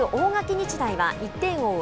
日大は１点を追う